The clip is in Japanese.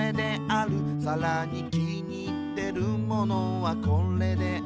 「さらに気に入ってるものはこれである」